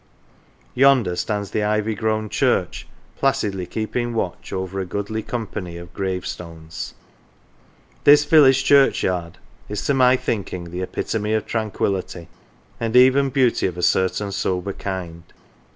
Yonder stands the ivy grown church placidly keeping watch over a goodly company of 11 THORN LEIGH gravestones. This village churchyard is to my thinking the epitome of tranquillity and even beauty of a certain sober kind.